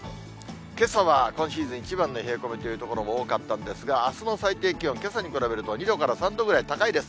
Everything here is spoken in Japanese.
けさは今シーズン一番の冷え込みという所も多かったんですが、あすの最低気温、けさに比べると２度から３度ぐらい高いです。